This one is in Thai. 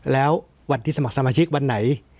แล้ววันที่สมัครสมาชิกวันไหน